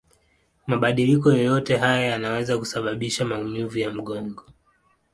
Mabadiliko yoyote haya yanaweza kusababisha maumivu ya mgongo.